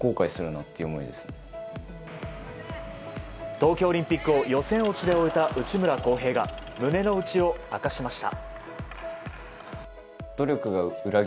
東京オリンピックを予選落ちで終えた内村航平が胸の内を明かしました。